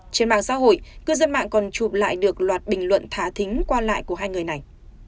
trên mạng xã hội cư dân mạng còn chụp lại được loạt bình luận thả thính qua lại của hai người này